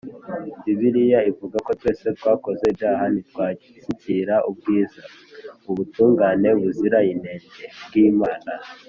Bibiliya ivuga ko twese twakoze ibyaha ntitwashyikira ubwiza (ubutungane buzira inenge) bw'Imana.